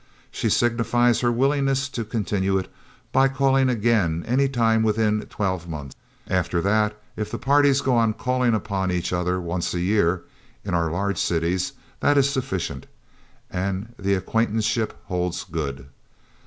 She signifies her willingness to continue it by calling again any time within twelve months; after that, if the parties go on calling upon each other once a year, in our large cities, that is sufficient, and the acquaintanceship holds good.